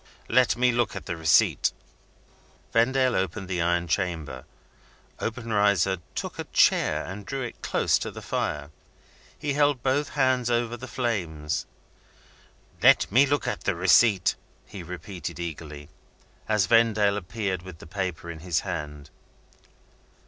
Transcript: Let me look at the receipt." Vendale opened the iron chamber. Obenreizer took a chair, and drew it close to the fire. He held both hands over the flames. "Let me look at the receipt," he repeated, eagerly, as Vendale reappeared with the paper in his hand.